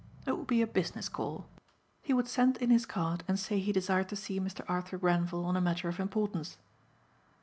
It would be a business call. He would send in his card and say he desired to see Mr. Arthur Grenvil on a matter of importance.